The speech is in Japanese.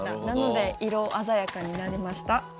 なので色鮮やかになりました。